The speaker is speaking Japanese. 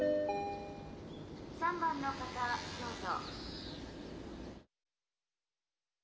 ・「３番の方どうぞ」。